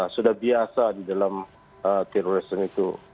sudah biasa di dalam terorisme itu